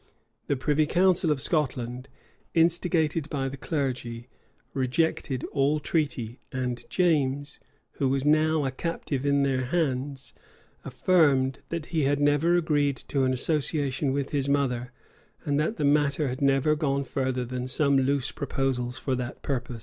The privy council of Scotland, instigated by the clergy, rejected all treaty; and James, who was now a captive in their hands, affirmed, that he had never agreed to an association with his mother, and that the matter had never gone further than some loose proposals for that purpose.